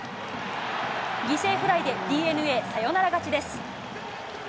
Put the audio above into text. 犠牲フライでＤｅＮＡ、サヨナラ勝ちです。